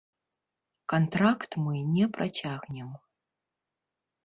Кантракт мы не працягнем.